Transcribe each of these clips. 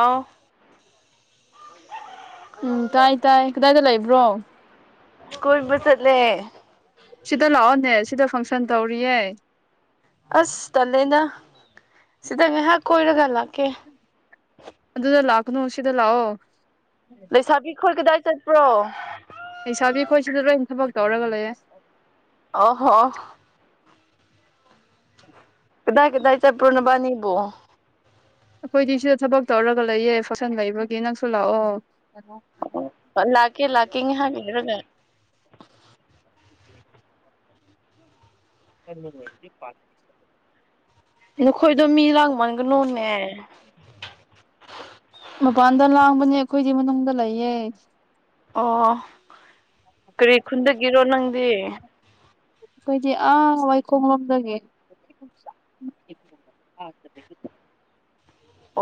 ꯑꯧ ꯎꯝ ꯇꯥꯏ ꯇꯥꯏ ꯀꯗꯥꯏꯗ ꯂꯩꯕ꯭ꯔꯣ ꯀꯣꯏꯕ ꯆꯠꯂꯦ ꯁꯤꯗ ꯂꯑꯣꯅꯦꯦ ꯁꯤꯗ ꯐꯪꯁꯟ ꯇꯧꯔꯤ ꯑꯁ ꯇꯂꯦꯅ ꯁꯤꯗ ꯉꯥꯏꯍꯥꯛ ꯀꯣꯏꯔꯒ ꯂꯥꯛꯀꯦ ꯑꯗꯨ ꯑꯗꯨꯗ ꯂꯥꯛ ꯅ ꯁꯤꯗꯂꯑꯣ ꯂꯩꯁꯥꯕꯤꯈꯜ ꯀꯗꯥꯏ ꯆꯠꯄ꯭ꯔꯣ ꯂꯩꯁꯥꯕꯤ ꯑꯩꯈꯣꯏꯁꯤꯗ ꯂꯣꯏ ꯊꯕꯛ ꯇꯧꯔꯒ ꯂꯩꯌꯦꯦ ꯑ ꯍꯣ ꯑ ꯗꯦ ꯇꯥꯏ ꯆ ꯄꯨꯔꯅ ꯅꯤꯕꯣ ꯑꯩꯈꯣꯏꯗꯤ ꯁꯤꯗ ꯊꯕꯛ ꯇꯧꯔꯒ ꯂꯩꯌꯦ ꯐꯛꯁꯟ ꯂꯩꯕꯒꯤ ꯅꯪꯁꯨ ꯂꯥꯛꯑꯣ ꯂꯥꯛꯀ ꯂꯥꯛꯀ ꯍꯥꯏꯒꯔꯒ ꯀ ꯅꯈꯣꯏꯗꯣ ꯃꯤ ꯂꯥꯡ ꯃꯄꯥꯟꯗ ꯂꯥꯡꯒꯄꯦ ꯑꯩꯈꯣꯏꯗꯤ ꯃꯅꯨꯡꯗ ꯂꯩꯌꯦ ꯑꯣ ꯀꯔꯤ ꯈꯨꯟꯒꯤꯔꯣ ꯅꯪ ꯑꯗꯨ ꯑꯩꯈꯣꯏꯗꯤ ꯑꯥ ꯋꯥꯏꯈꯣꯡ ꯂꯣꯝꯗꯒꯤ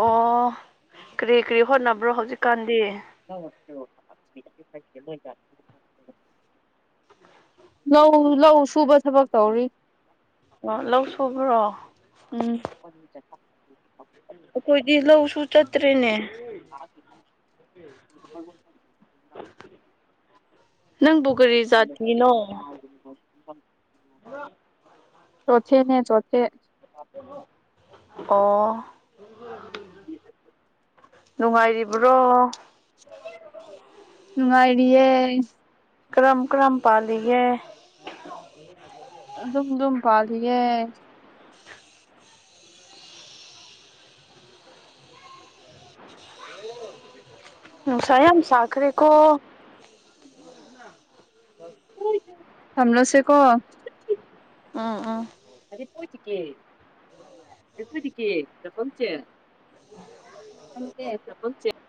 ꯑꯣ ꯀꯔꯤ ꯀꯔꯤ ꯍꯣꯠꯅꯕ꯭ꯔꯣ ꯍꯧꯖꯤꯛꯀꯥꯟꯗꯤ [unintelligible] ꯂꯧ ꯂꯧ ꯁꯨꯕ ꯊꯕꯛ ꯇꯧꯔꯤ ꯑꯣ ꯂꯧ ꯁꯨꯕ꯭ꯔꯣ ꯎꯝ [unintelligible] ꯑꯩꯈꯣꯏꯗꯤ ꯂꯧꯁꯨ ꯆꯠꯇ꯭ꯔꯦꯅꯦ [unintelligible] ꯅꯪꯕꯨ ꯀꯔꯤ ꯖꯥꯇꯤꯅꯣ ꯆꯣꯊꯦꯅꯦ ꯆꯣꯊꯦ ꯑꯣ ꯅꯨꯡꯉꯥꯏꯔꯤꯕ꯭ꯔꯣ ꯃꯦ ꯀ꯭ꯔꯝ ꯀ꯭ꯔꯝ ꯄꯥꯜꯂꯤꯌꯦ ꯑꯗꯨꯝ ꯑꯗꯨꯝ ꯄꯥꯜꯂꯤꯌꯦꯦ ꯎ ꯁꯌꯦꯝ ꯁꯥ ꯔꯦꯀꯣ ꯊꯝꯅꯣꯁꯦ ꯀꯣ ꯑꯥ ꯎꯥ [unintelligible] [unintelligible]